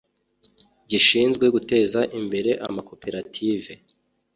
gishinzwe guteza imbere Amakoperative